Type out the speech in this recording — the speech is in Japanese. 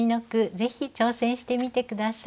ぜひ挑戦してみて下さい。